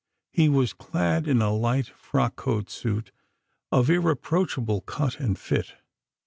He was clad in a light frock coat suit of irreproachable cut and fit.